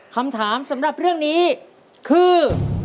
คำถามสำหรับเรื่องนี้คือ